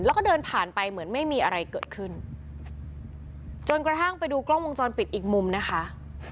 แล้วก็เดินผ่านไปเหมือนไม่มีอะไรเกิดขึ้นจนกระทั่งไปดูกล้องวงจรปิดอีกมุมนะคะ